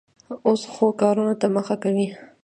اوس ښو کارونو ته مخه کوي.